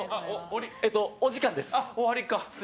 えっと、お時間です。